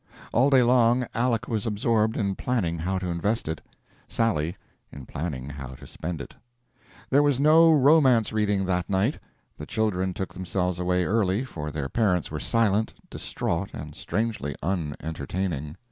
All day long Aleck was absorbed in planning how to invest it, Sally in planning how to spend it. There was no romance reading that night. The children took themselves away early, for their parents were silent, distraught, and strangely unentertaining.